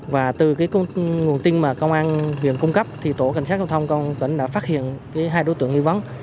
và từ nguồn tin mà công an huyện cung cấp thì tổ cảnh sát hình thông đã phát hiện hai đối tượng nghi vấn